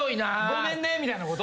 「ごめんね」みたいなこと？